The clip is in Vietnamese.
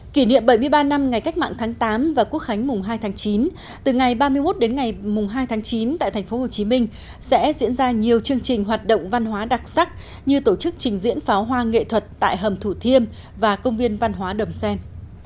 kỷ niệm bảy mươi ba năm ngày cách mạng tháng tám và quốc khánh mùng hai tháng chín từ ngày ba mươi một đến ngày mùng hai tháng chín tại tp hcm sẽ diễn ra nhiều chương trình hoạt động văn hóa đặc sắc như tổ chức trình diễn pháo hoa nghệ thuật tại hầm thủ thiêm và công viên văn hóa đầm xen